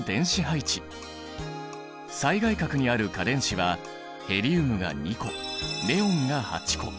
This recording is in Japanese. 最外殻にある価電子はヘリウムが２個ネオンが８個。